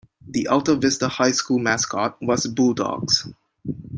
The Alta Vista High School mascot was Bulldogs.